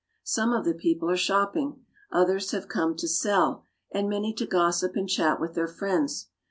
Some of the people are shopping. Others have come to sell, and many to gossip and chat with their friends.